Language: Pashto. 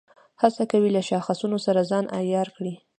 هڅه کوي له شاخصونو سره ځان عیار کړي.